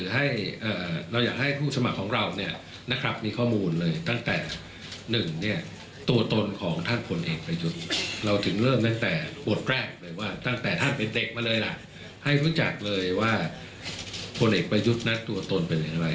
ให้รู้จักเลยว่าผลเอกประยุทธ์นัดตัวตนเป็นอย่างไร